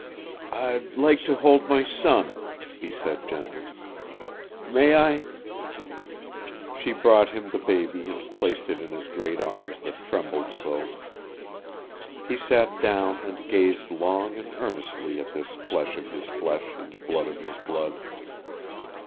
"I'd like to hold my son," he said gently. "May I?" She brought him the baby and placed it in his great arms that trembled so; he sat down and gazed long and earnestly at this flesh of his flesh and blood of his blood.